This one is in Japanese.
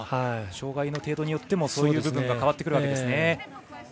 障がいの程度によってもそういう部分が変わってくるわけですね。